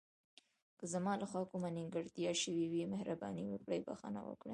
که زما له خوا کومه نیمګړتیا شوې وي، مهرباني وکړئ بښنه وکړئ.